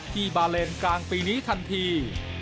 ที่บาเลนส์กลางปีนี้ทันที